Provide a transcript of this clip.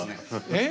えっ？